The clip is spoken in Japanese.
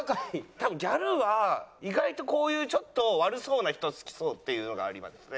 多分ギャルは意外とこういうちょっと悪そうな人好きそうっていうのがありますね。